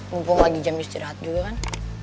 mumpung lagi jam istirahat juga kan